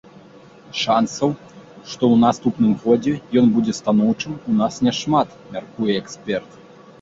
Шансаў, што ў наступным годзе ён будзе станоўчым, у нас няшмат, мяркуе эксперт.